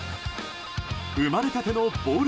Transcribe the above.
生まれたてのボール